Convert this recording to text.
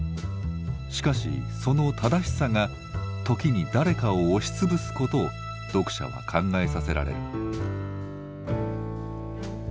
しかしその正しさが時に誰かを押し潰すことを読者は考えさせられる。